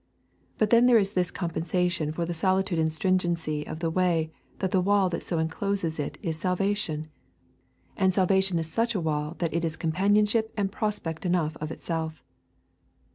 But then there is this compensation for the solitude and stringency of the way that the wall that so encloses it is Salvation. And Salvation is such a wall that it is companionship and prospect enough of itself.